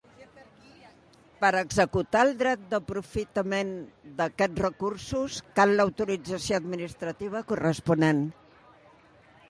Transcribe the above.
Per executar el dret d'aprofitament d'aquests recursos cal l'autorització administrativa corresponent.